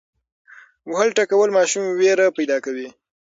وهل ټکول ماشوم ویره پیدا کوي.